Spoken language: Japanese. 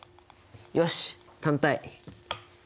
よし単体。